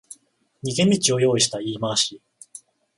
逃げ道を用意した言い回し